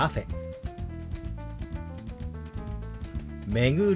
「巡る」。